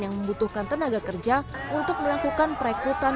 yang membutuhkan tenaga kerja untuk melakukan perekrutan